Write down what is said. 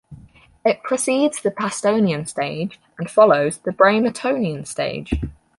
It precedes the Pastonian Stage and follows the Bramertonian Stage.